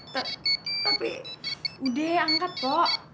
tapi udah angkat po